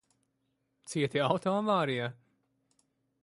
Cieti auto avārijā?